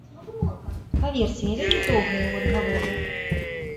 Паверце, я вельмі доўга яго адгаворваў.